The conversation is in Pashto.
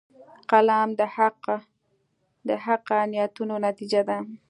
قلم د حقه نیتونو نتیجه ده